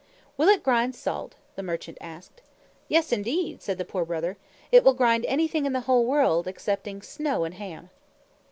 "Will it grind salt?" the merchant asked. "Yes, indeed!" said the Poor Brother. "It will grind anything in the whole world excepting snow and ham."